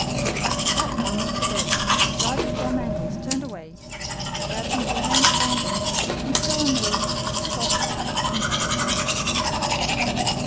At that moment the boat, in charge of John Mangles, turned away. Ayrton, who remained standing, and still unmoved, took off his cap and bowed gravely.